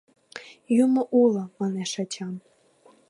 — Юмо уло, — манеш ачам.